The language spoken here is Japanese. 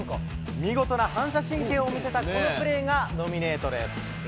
見事な反射神経を見せたこのプレーがノミネートです。